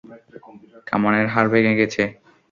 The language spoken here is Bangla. কামানের হাড় ভেঙে গেছে।